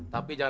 jadi ini kan